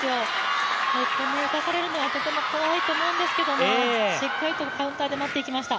ここに打たれるのはとても怖いと思うんですけども、しっかりとカウンターで打っていきました。